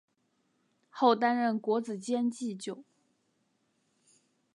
后担任国子监祭酒。